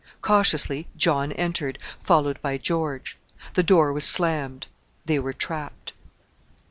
Cautiously John entered, followed by George. The door was slammed; they were trapped.